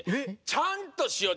ちゃんとしよう！